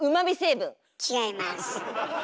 違います。